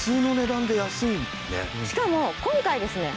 しかも今回ですね